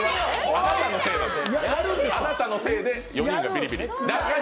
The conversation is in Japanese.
あなたのせいで４人がビリビリ。